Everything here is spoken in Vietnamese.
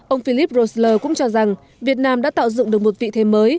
ông philip roessler cũng cho rằng việt nam đã tạo dựng được một vị thế mới